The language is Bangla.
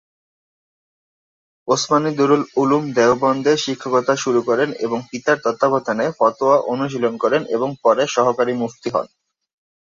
উসমানি দারুল উলুম দেওবন্দে শিক্ষকতা শুরু করেন এবং পিতার তত্ত্বাবধানে "ফতোয়া" অনুশীলন করেন এবং পরে সহকারী মুফতি হন।